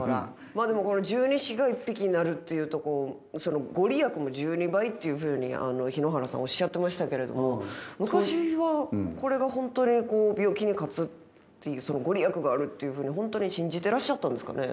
まあでもこの十二支が１匹になるっていうとこうご利益も１２倍っていうふうに日野原さんおっしゃってましたけれども昔はこれが本当に病気に勝つっていうご利益があるっていうふうに本当に信じてらっしゃったんですかね？